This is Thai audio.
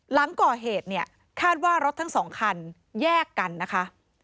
หลังก่อเหตุเนี่ยคาดว่ารถทั้งสองคันแยกกันนะคะ